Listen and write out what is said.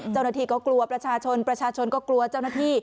เจ้าหน้าที่ก็กลัวประชาชนประชาชนประชาชนก็กลัวเจ้าหน้าที่